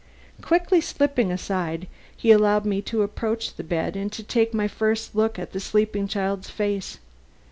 Quickly slipping aside, he allowed me to approach the bed and take my first look at the sleeping child's face.